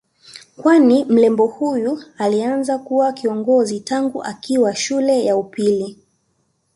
Kwani mrembo huyu alianza kuwa kiongozi tangu akiwa shule ya upili